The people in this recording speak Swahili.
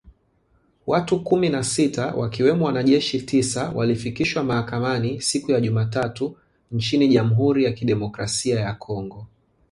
Watu kumi na sita ,wakiwemo wanajeshi tisa ,walifikishwa mahakamani siku ya Jumatatu nchini Jamhuri ya Kidemokrasia ya Kongo